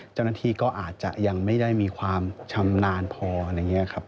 เจ้าหน้าที่ก็อาจจะยังไม่ได้มีความชำนาญพอนะครับ